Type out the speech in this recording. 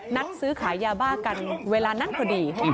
นัดซื้อขายยาบ้ากันเวลานั้นพอดี